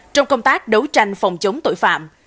trong công tác đấu tranh phòng chống tội phạm